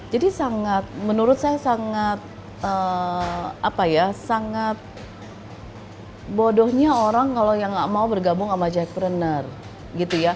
jadi sangat menurut saya sangat apa ya sangat bodohnya orang kalau yang gak mau bergabung sama jackpreneur